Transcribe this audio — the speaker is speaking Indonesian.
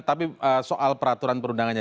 tapi soal peraturan perundangannya